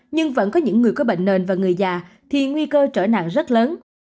nhưng vẫn có những người có bệnh nền và người già thì nguy cơ trở nặng rất lớn